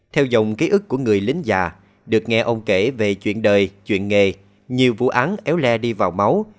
theo dòng ký ức của người lính già được nghe ông kể về chuyện đời chuyện nghề nhiều vụ án éo le đi vào máu